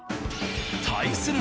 対する